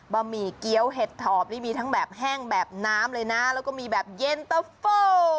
หมี่เกี้ยวเห็ดถอบนี่มีทั้งแบบแห้งแบบน้ำเลยนะแล้วก็มีแบบเย็นตะโฟ